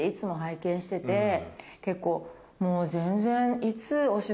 結構もう全然。